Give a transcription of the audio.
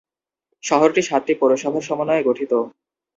শহরটি সাতটি পৌরসভার সমন্বয়ে গঠিত।